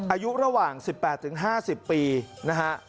อายุระหว่าง๑๘๕๐ปีนะฮะ